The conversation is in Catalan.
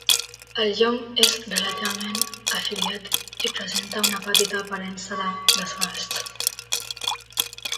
El llom és relativament afilat i presenta una petita aparença de desgast.